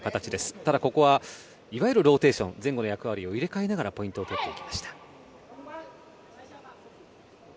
ただ、ここはいわゆるローテーション前後の役割を入れ替えながらポイントを取っていきました。